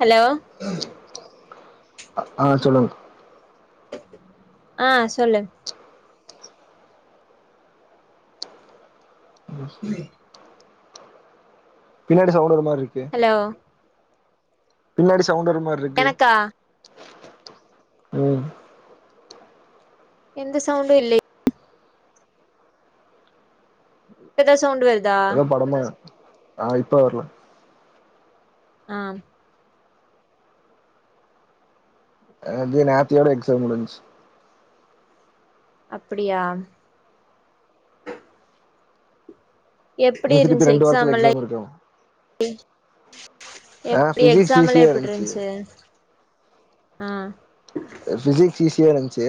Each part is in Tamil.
ஹலோ ஆ சொல்லுங்கா ஆ சொல்லு பின்னாடி சவுண்ட் வர மாரி இருக்கு ஹலோ பின்னாடி சவுண்டு வர மாரி இருக்கு எனக்கா ம் எந்த சவுண்டு இல்லயே இப்ப எதாது சவுண்டு வருது ஏதோ படமா ஆ இப்ப வர்ல்ல ஆ அது நேத்தியோட எக்ஸாம் முடிஞ்சு அப்டியா எப்டி இன்னு திருப்பி இருந்துச்சு ரெண்டு வாரத்துல எக்ஸாமல்ல எக்ஸாம் இருக்கு [unintelligible] ஆ எப்டி பிசிக்ஸ் எக்ஸாம்ல ஈஸியா எப்டி இருந்துச்சு ஆ பிசிக்ஸ் ஈஸியா இருந்துச்சு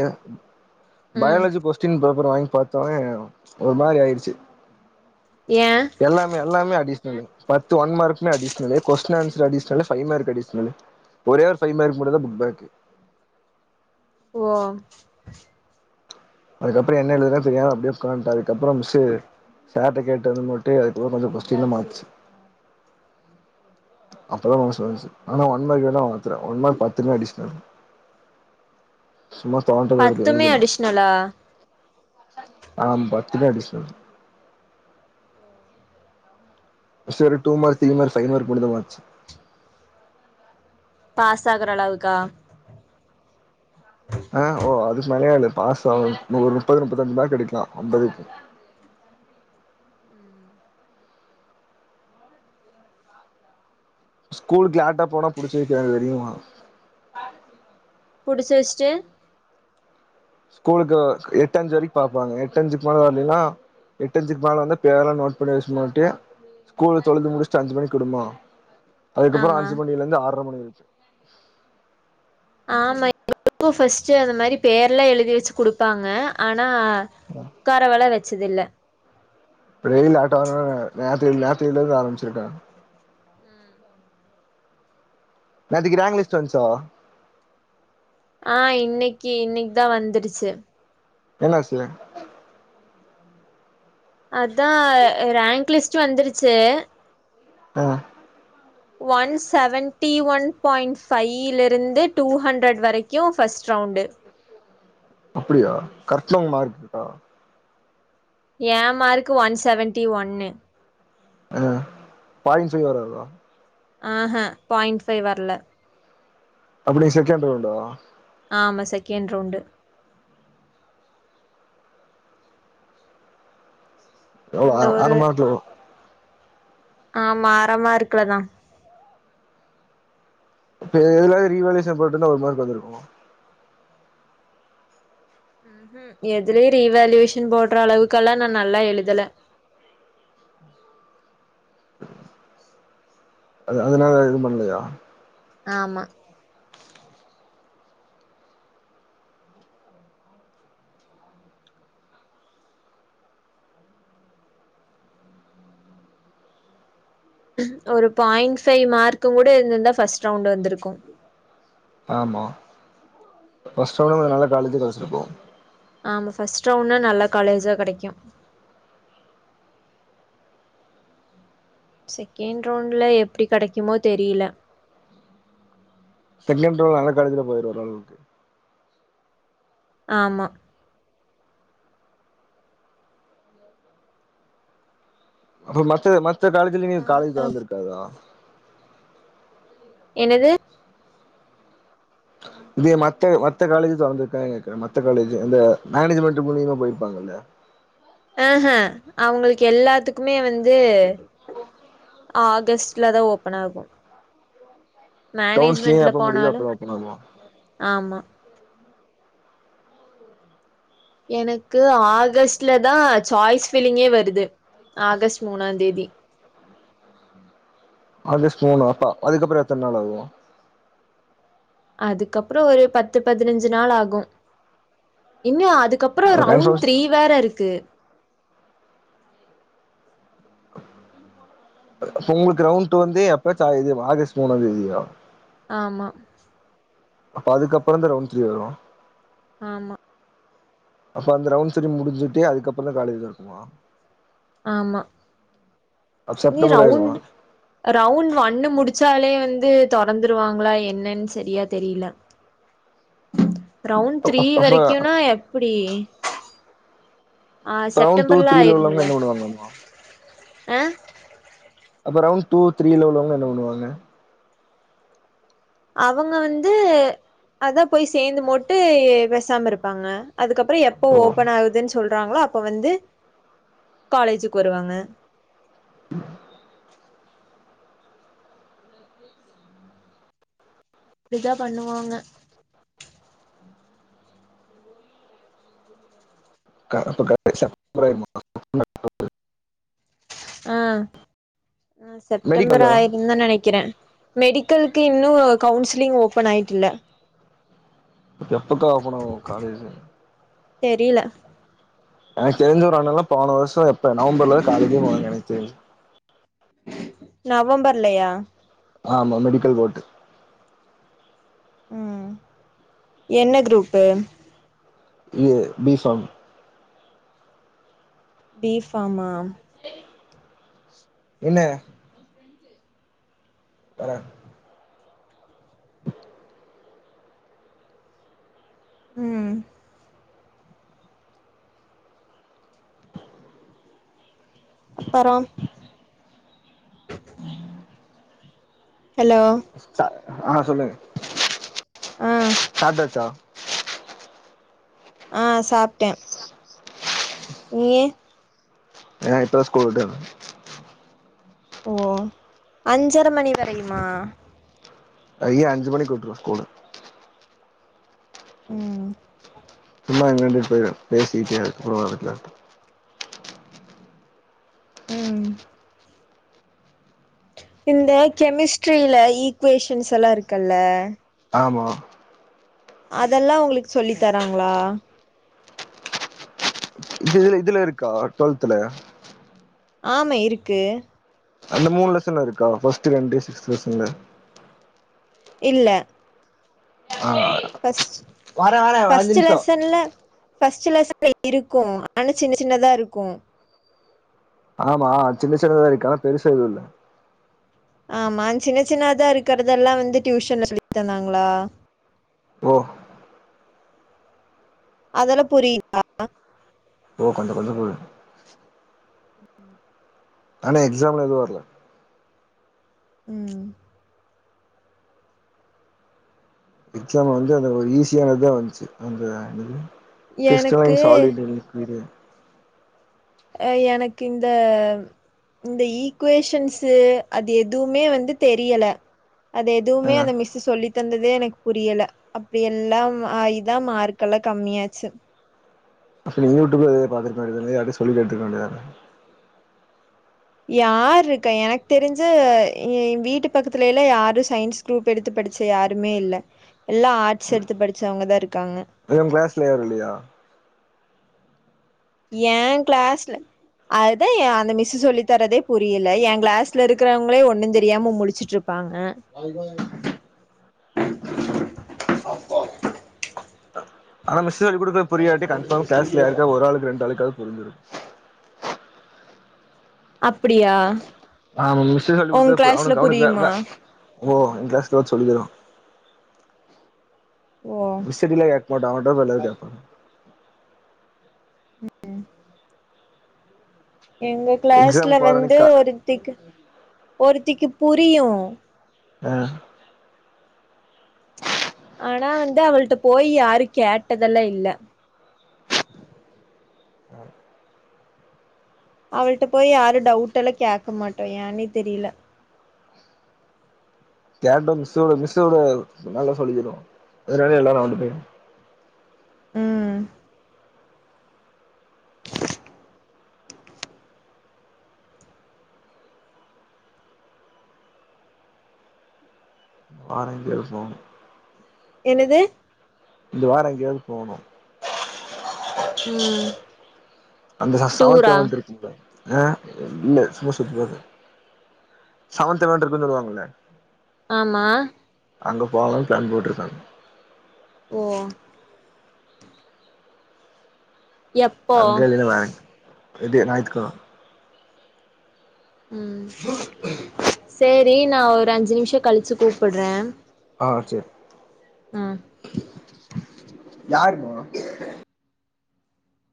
ம் ஃபயாலஜி கோஸ் ஸ்டீன் பேப்பர் வாங்கி பாத்தோனே ஒரு மாரி ஆயிடுச்சு யே எல்லாமே எல்லாமே அடிஷ்னலு பத்து ஒன் மார்குமே additional question answer additional five mark additional ஒரே ஒரு ஃபை மார்க் மட்டுதா புக் பாக்கு ஓ அதுக்கப்புறோ என்ன எழுதுனே தெரியாம அப்டே உக்காந்டே அதுக்கப்புறோ மிஸ்ஸு சேர்ட்ட கேட்டு வந்து [unintelligible] அதுக்கப்றோ கொஞ்சோ கொஸ்டின மாத்த சொ அப்பதா மனசு நல்லான்சு ஆனா ஒன் மார்க்லா [unintelligible] ஒன் மார்க் பத்துமே அடிஷ்னலு சும்மா தோன்ரத எழு பத்துமே எழுதுனே அடிஷ்னலா ஆ பத்துமே அடிஷ்னலு சேரி two mark three mark five mark மட்டுதா மாத்ச்சு பாஸ் ஆகுற அளவுக்கா ஆ ஓ அதுக்கு மேலயா இல்ல பாஸ் ஆனு இன்னு ஒரு முப்பது முப்பத்தஞ்சு மார்க் எடுக்லா அம்பதுக்கு ஸ்கூலுக்கு லேட்டா போனா புடிச்சி வெக்கிராங்க தெரியுமா புடிச்சு வெஷ்டு ஸ்கூலுக்கு எட்டு அஞ்சு வரிக் பாப்பாங்க எட்டு அஞ்சுக் மேல் வர்லினா எட்டஞ்சுக் மேல வந்து பேர்லா நோட் பண்ணி வெஷ்னுமான்டி ஸ்கூல்ல தொழுந்து முடிஷ்ட்டு அஞ்சு மணிக்கிடுமா அதுக்கப்புறோ ஆமா அஞ்சு மணிலெந்து ஆற்ர மணி வெரிக்கு ஆமா எங்களுக்கு ஃபஸ்ட்டு அந்த மாரி பேர்ல்லா எழுதி வெச்சு குடுப்பாங்க ஆனா அ உக்காரவல வெச்சதில்ல ப்ரேய லேட்டா வந்தனா [unintelligible] ஆரம்பிச்சுருக்கு நேத்திக்கு ரேங் லிட்ஸ்ட் வந்ச்சா ஆ இன்னைக்கி இன்னைக்தா வந்துருச்சு என்னாசுலே அதா ரேங்க் லிஸ்ட்டு வந்துருச்சு அ ஒன் செவன்ட்டி ஒன் பாயிண் ஃபையிலிருந்து டூ ஹண்ட்ரட் வரைக்கு ஃபஸ்ட் ரவுண்டு அப்படியா கட்னவங்க மார்க் இருக்கா ஏ மார்க்கு ஒன் செவன்டி ஒன்னு அதா அதா பாய்ன் ஃபை வராதா ஆ ஹ பாயிண்ட் ஃபை வர்ல அப்ப நீ செகண்ட் ரவுண்டா ஆமா செகண்ட் ரவ்ண்டு எவ்ளோ அ அந்த ஒரு அவர் மார்க் [unintelligible] ஆமா அர மார்குலதா இப்ப எ எதுலாது ரீவேல்யூவைஷன் போட்டுர்ந்தா‌ஒரு மார்க் வந்துருக்கு ம் எதுலியேஆ ரீவேல்யுவேஷன் போடுற அளவுக்கெல்லா நா நல்லா எழுதல அது அதனால எதும் பண்ணலையா ஆமா ஒரு பாயிண்ட் ஃபை மார்க்குங் கூட இருந்திந்தா ஃபஸ்ட் ரவுண்ட் வந்துருக்கு ஆமா ஃபஸ்ட் ரவ்ண்ட்லே கொஞ்ச நல்ல காலேஜு கெடச்சிருக்கு ஆமா பஸ்ட் ரவுண்ட்னா நல்லா காலேஜா கெடைக்கு செகெண்ட் ரவுண்ட்ல எப்டி கெடைக்குமோ தெரில செகெண் ரவுண்ட்ல நல்ல காலேஜில போயிருவ ஒர்ரளவுக்கு ஆமா அப்ப மத்த மத்த காலேஜ்லயுமே ஆ காலேஜ் தொடர்ந்திருக்காதா என்னது இதே மத்த மத்த காலேஜ் தொறந்திருக்காங்க கேக்குறேன் மத்த காலேஜ் இந்த மேனேஜ்மெண்ட் மூலியமா போயிருப்பாங்கல்லா ஆஹ அவங்களுக்கு எல்லாத்துக்குமே வந்து ஆகஸ்ட்ல தான் ஓப்பன் ஆகும் கவுன்சிலிங் மேனேஜ்மெண்ட்ல எப்ப முடியுதோ போனாலும் அப்பதா ஓப்பன் ஆகு ஆமா எனக்கு ஆகஸ்ட்ல தான் சாய்ஸ் ஃபீலிங்கே வருது ஆகஸ்ட் மூணாம் தேதி ஆகஸ்ட் மூணா அப்ப அதுக்கப்புறம் எத்தனை நாள் ஆகுது அதுக்கப்புறம் ஒரு பத்து பதினஞ்சு நாள் ஆகும் இன்னும் அதுக்கப் அப்புறம் அப்ப ரவுண்ட் கன்ஃபர்ம் த்ரீ வேற இருக்கு போன் கிரவுண்ட்‌ டூ வந்து எப்ப ஆகஸ்ட் மூணாம் தேதியா ஆமா அப்ப அதுக்கப்புறம் தான் ரவுண்ட் த்ரீ வரும் ஆமா அப்ப அந்த ரவுண்ட் த்ரீ முடிஞ்சிட்டு அதுக்கப்பறோ தான் காலேஜ் தொறக்குமா ஆமா அப்ப நீ செப்டம்பர் ஆயிருமா ரவுண்ட் ரவுண்ட் ஒன்னு முடிச்சாலே வந்து தொறந்துருவாங்காளி என்னன்னு சரியா தெரில ரவுண்ட் த்ரீ வரைக்கும்னா அப்ப எப்டி ஆ ரவுண்ட் டூ செப்டம்பர்ல த்ரீல உள்ளவங்க ஆய்ருந்தலே என்ன பண்ணுவாங்கம்மா ஆ அப்ப ரவுண்ட் டூ த்ரீல உள்ளவங்க என்ன பண்ணுவாங்க அவங்க வந்து அதான் போய் சேர்ந்து மோட்டு பேசாம இருப்பாங்க அதுக்கப்பறோ எப்போ ஓ ஓபன் ஆகுதுன்னு சொல்றாங்களோ அப்போ வந்து காலேஜுக்கு வருவாங்க [inaudible] இப்டிதான் பண்ணுவாங்க [inaudible] ஆ ஆ செப்டம்பர் மெடிக்கலா ஆய்டும்தான் நினைக்கிறேன் மெடிக்கலுக்கு இன்னும் கவுன்சிலிங் ஓப்பன் அண்ட் கப்ல எப்பதறச்ச் போன காலேஜு தெரில எனக்கு தெரிஞ்ச ஒரு ஆண்னல்ல போன வருஷம் எப்ப நவம்பர்ல காலேஜே போவாங்க எனக்கு தெரிஞ்சு நவம்பர்லையா ஆமா மெடிக்கல் போட்டு ம் என்ன க்ரூப்பு இல்லயே பீ ஃபாம் பீ ஃபாம் ஆ என்ன ஆ ம் அப்பறம் ஹலோ சா ஆ சொல்லுங்க ஆ சாப்ட்டாச்சா ஆ சாப்டேன் ஏ அ இப்ப தா ஸ்கூல் விட்டாங்க ஓ அஞ்சர மணி வரையுமா அய அஞ்சு மாணிக்கு வுட்டுரு ஸ்கூலு ம் சும்மா இங்க வந்துட்டு போய் பேசிக்கிட்டே அதுக்கு அப்புறம் வரன்னாங்க ம் இந்த கெமிஸ்ட்ரியில ஈக்குவேஷன்ஸ் எல்லாருக்குல்ல ஆமா அதெல்லா உங்களுக்கு சொல்லி தராங்களா இதுல இதுல இருக்கா டுவெல்தல ஆமே இருக்கு அந்த மூணு லெசன் இருக்கா ஃபஸ்ட் ரெண்டு சிக்ஸ்த் லெசன்ல இல்ல ஆ ஃபஸ்ட் வரே வரே ஒரு அஞ்சு ஃபர்ஸ்ட் நிமிஷோ லெசன்ல ஃபஸ்ட் லெசன் இருக்கும் ஆனா சின்ன சின்னதா இருக்கும் ஆமா சின்ன சின்னதா இருக்கு ஆனா பெருச எதுல்ல ஆமா சின்ன சின்னதா இருக்கிறதெல்லா வந்து டியூஷன்ல சொல்லி தந்தாங்களா ஓ அதெல்லா புரிதா ஓ கொஞ்சம் கொஞ்சம் போது ஆனா எக்ஸாம்ல எதுவும் வரல ம் ம் எக்ஸாம் வந்து அந்த ஒரு ஈஸியானதுதான் வந்துச்சு அந்த என்னது எனக்கு கிறிஸ்டன் சாலிடே அங்க அ எனக் இந்த இந்த ஈக்குவேஷன்ஸு அது எதுமே வந்து தெரியல அது எதுவுமே ஆ அந்த மிஸ் சி சொல்லி தந்ததே எனக் புரியல அப்டி எல்லாம் ஆ இதா மார்க்ல்லா கம்மியாச்சு பஸ்ட்டு யூடிப்ல இதே பாத்திருக்க வேண்டியது தானே யார்கிட்டயு சொல்லி கேட்ருக்க வேண்டியதானே யாருக்கா எனக்கு தெருஞ்சுஏ வீட்டு பக்கத்துலயெல்லா யாரு சயின்ஸ் குரூப் எடுத்து படிச்ச யாருமே இல்ல எல்லா ஆர்ட்ஸ் எடுத்து படிச்சவுங்க தா இருக்காங்க ஐய்யோ உங்க க்ளாஸ்ல யாரு இல்லையா ஏ க்ளாஸ்ல அதுதா ஏ அந்த மிஸ் சொல்லி தர்றதே புரியல எ க்ளாஸ்ல இருக்குறவுங்களே ஒண்ணு தெரியாம முழிச்சுட்ருப் ப்பாங்க அந்த மிஸ் சொல்லி குடுக்கிறது புரியாட்டி கன்ஃபாமா க்ளாஸ்ல யாருக்காவது ஒரு ஆளுக்கு ரெண்டு ஆளுக்குகாது புருஞ்சுருக்கு அப்புடியா ஆமா மிஸ் சொல்லி குடுக்குறது பப அவனு கவனிப்ப புரியுமா வ வ ஓ எ க்ளாஸ்ல வச்சு சொல்லி தருவாங்க ஓ மிஸ் [unintelligible] அவன்ட்ட தா போய் எல்லாரு கேப்பாங்க எங்க க்ளாஸ்ல எக்ஸாம்க்கு வர வந்து அன்னைக்கு கா ஒருத்திக்கு ஒருத்திக்கு புரியு அ ஆனா வந்து அவள்ட போய் யாரு கேட்டதெல்லா இல்ல அவள்ட்ட போய் யாரு டவுட் எல்லா கேக்க மாட்டோ ஏன்னே தெரியில கேட்ட மிஸ்ஸோட மிஸ்ஸோட நல்லா சொல்லி தருவாங்க நேரா எல்லாரு அவள்ட்ட போய் ம் ம் வாரோ கேப்போ என்னது இந்த வாரோ எங்கேயாவது போனு ம் அந்த ச சவந்த் டூரா எவந்த் இருக்குங்க ஆ இல்ல சும்மா சுத்தி பாத்தே செவன்த் எவென்ட் இருக்குன்னு சொல்லுவாங்களே ஆமா அங்கே போகலான் ப்ளான் போட்ருக்காங்க ஓ எப்போ அங்க இல்லேனா ஞாய்த் ரெடி ஞாய்த்துக்கெழம ம் சேரி நா ஒரு அஞ்சு நிம்ஷோ கழிச்சு கூப்புட்றே ஆ ஹா சேரி ம் யாரு போனு